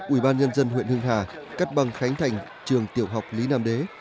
ủy ban nhân dân huyện hưng hà cắt băng khánh thành trường tiểu học lý nam đế